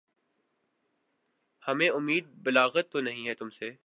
ہمیں اُمیدِ بلاغت تو نہیں ہے تُم سے